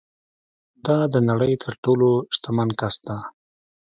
دا د نړۍ تر ټولو شتمن کس ده